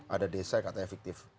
ada desa katanya fiktif